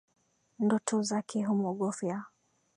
Ndoto zake humwogofya